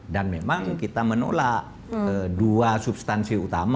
dan memang kita menolak dua substansi utama